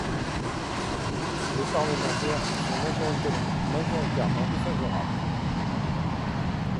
Les parlementaires y sont majoritairement défavorables.